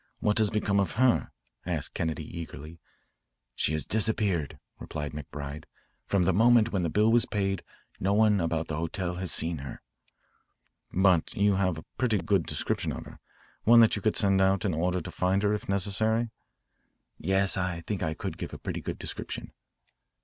What has become of her?" asked Kennedy eagerly. "She has disappeared," replied McBride. "From the moment when the bill was paid no one about the hotel has seen her." "But you have a pretty good description of her, one that you could send out in order to find her if necessary?" "Yes, I think I could give a pretty good description."